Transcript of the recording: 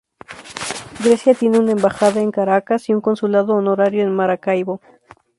Grecia tiene una embajada en Caracas y un consulado honorario en Maracaibo.